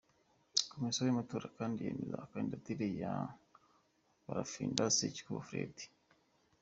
Komisiyo y’amatora kandi yanze kandidatire ya Barafinda Sekikubo Fred.